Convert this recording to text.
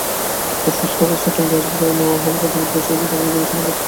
অসুস্থ অবস্থায় টঙ্গী হাসপাতালে নেওয়া হলে কর্তব্যরত চিকিৎসক তাঁকে মৃত ঘোষণা করেন।